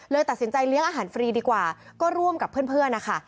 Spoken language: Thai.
ตัดสินใจเลี้ยงอาหารฟรีดีกว่าก็ร่วมกับเพื่อนนะคะ